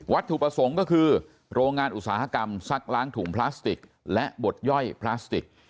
ถูกประสงค์ก็คือโรงงานอุตสาหกรรมซักล้างถุงพลาสติกและบดย่อยพลาสติก